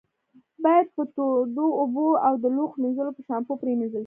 باید په تودو اوبو او د لوښو منځلو په شامپو پرېمنځل شي.